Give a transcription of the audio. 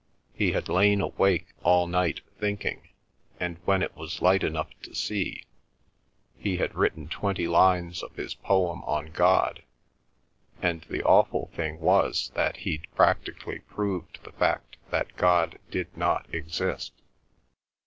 He had lain awake all night thinking, and when it was light enough to see, he had written twenty lines of his poem on God, and the awful thing was that he'd practically proved the fact that God did not exist.